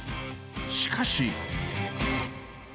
しかし。